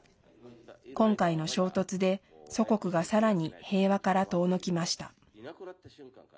今回の衝突で、祖国がさらに平和から遠のきました。